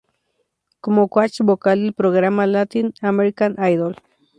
Como coach vocal del programa "Latin American Idol".